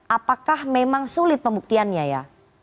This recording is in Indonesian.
apakah memang sulit pembuktiannya ya